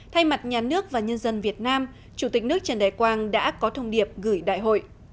thay mặt nhà nước và nhân dân việt nam chủ tịch nước trần đại quang đã có thông điệp gửi đại hội